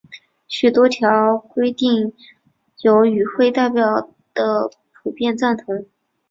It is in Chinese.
许多规条有与会代表的普遍赞同。